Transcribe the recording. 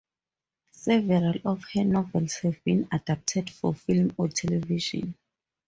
Several of her novels have been adapted for film or television.